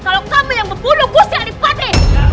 kalau kamu yang membunuh kusih adipati